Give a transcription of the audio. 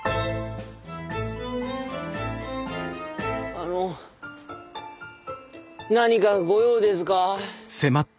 あの何かご用ですか？